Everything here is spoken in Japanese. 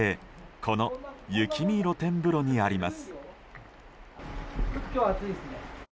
この雪見露天風呂にあります。